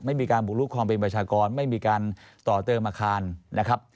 ไม่มีการบุกลุกความเป็นประชากรไม่มีการต่อเติมอาคารนะครับ